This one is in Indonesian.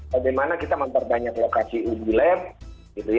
bagaimana kita memperbanyak lokasi uji lab